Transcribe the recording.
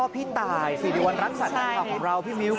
พี่ตายซีดีวัลรักษณะแบบของเราพี่มิลค์